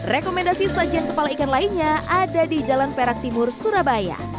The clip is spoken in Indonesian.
rekomendasi sajian kepala ikan lainnya ada di jalan perak timur surabaya